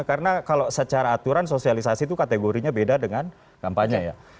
karena kalau secara aturan sosialisasi itu kategorinya beda dengan kampanye ya